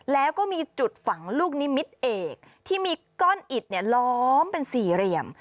แล้วก็มีจุดฝังลูกนิมิตเอกที่มีก้อนอิดล้อมเป็นสี่เหลี่ยม